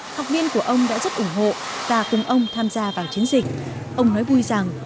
học viên của ông đã rất ủng hộ và cùng ông tham gia vào chiến dịch ông nói vui rằng